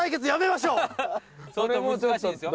それ難しいですよ。